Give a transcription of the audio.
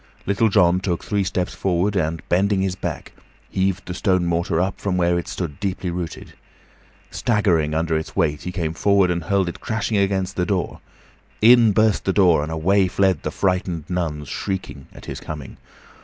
Little John took three steps forward, and, bending his back, heaved the stone mortar up from where it stood deeply rooted. Staggering under its weight, he came forward and hurled it crashing against the door. In burst the door, and away fled the frightened nuns, shrieking, at his coming.